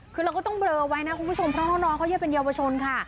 คือเราก็ต้องเบลอไว้ภาพน้องหนอนเขาจะเป็นเยาวชนค่ะ